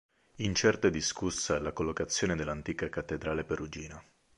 Incerta e discussa è la collocazione dell'antica cattedrale perugina.